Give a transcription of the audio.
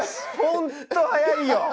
ホント速いよ！